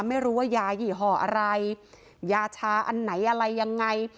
ไม่รู้ว่ายายี่ห่ออะไรยาชาอันไหนอะไรยังไง